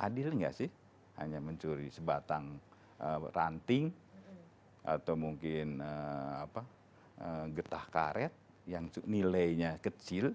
adil nggak sih hanya mencuri sebatang ranting atau mungkin getah karet yang nilainya kecil